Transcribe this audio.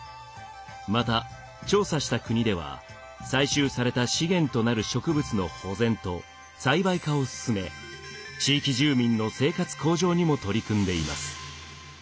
また調査した国では採集された資源となる植物の保全と栽培化を進め地域住民の生活向上にも取り組んでいます。